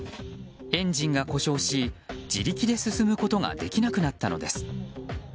エンジンが故障し、自力で進むことができなくなったのです。